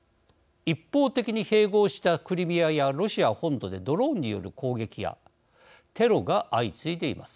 一方的に併合したクリミアやロシア本土でドローンによる攻撃やテロが相次いでいます。